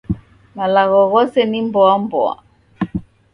Malagho ghose ni mboa mboa.